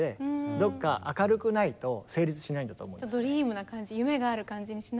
どっか明るくないと成立しないんだと思うんです。